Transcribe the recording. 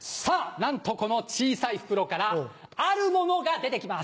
なんとこの小さい袋からあるものが出て来ます。